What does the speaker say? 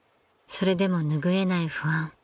［それでも拭えない不安］